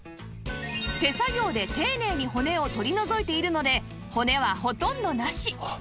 手作業で丁寧に骨を取り除いているので骨はほとんどなし